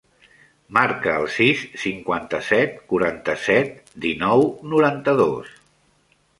Marca el sis, cinquanta-set, quaranta-set, dinou, noranta-dos.